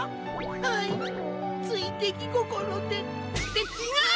はいついできごころで。ってちがう！